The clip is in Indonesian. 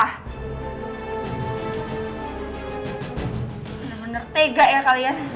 udah menertega ya kalian